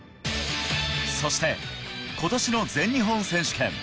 そして、ことしの全日本選手権。